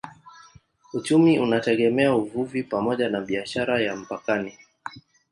Uchumi unategemea uvuvi pamoja na biashara ya mpakani.